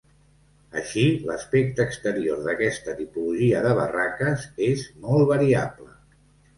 Així, l’aspecte exterior d’aquesta tipologia de barraques és molt variable.